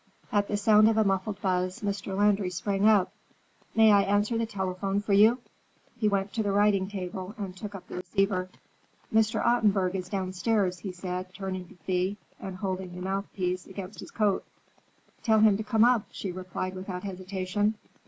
At the sound of a muffled buzz, Mr. Landry sprang up. "May I answer the telephone for you?" He went to the writing table and took up the receiver. "Mr. Ottenburg is downstairs," he said, turning to Thea and holding the mouthpiece against his coat. "Tell him to come up," she replied without hesitation.